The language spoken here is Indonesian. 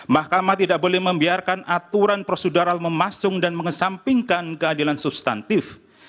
mahkamah tidak boleh membiarkan aturan prosedural memasung dan mengesampingkan keadilan substantif